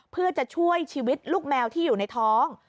เพื่อจะช่วยชีวิตลูกแมวที่อยู่ในท้อง